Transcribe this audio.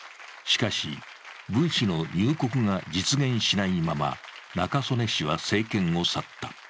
しかし、文氏の入国が実現しないまま中曽根氏は政権を去った。